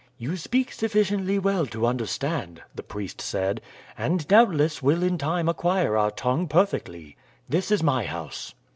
"You speak sufficiently well to understand," the priest said, "and doubtless will in time acquire our tongue perfectly. This is my house."